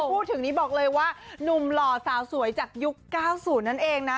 พูดถึงนี้บอกเลยว่านุ่มหล่อสาวสวยจากยุค๙๐นั่นเองนะ